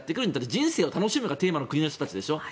人生を楽しむがテーマの国の人たちでしょ。